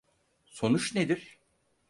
Sonuç nedir?